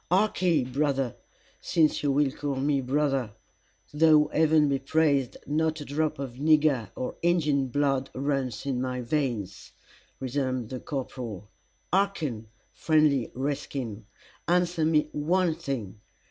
"Harkee, brother, since you will call me brother; though, Heaven be praised, not a drop of nigger or Injin blood runs in my veins," resumed the corporal. "Harken, friend redskin, answer me one thing.